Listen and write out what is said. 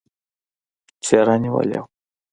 څېره نېولې وه.